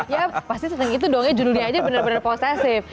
ya pasti senang itu doangnya judulnya aja benar benar posesif